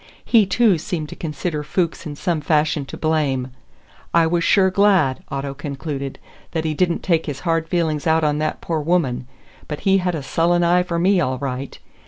He, too, seemed to consider Fuchs in some fashion to blame. "I was sure glad," Otto concluded, "that he did n't take his hard feeling out on that poor woman; but he had a sullen eye for me, all right!